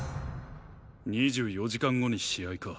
２４時間後に試合か。